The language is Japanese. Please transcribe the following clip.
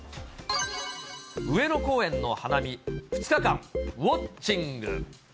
上野公園の花見、２日間ウォッチング。